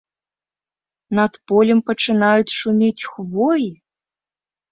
Над полем пачынаюць шумець хвоі!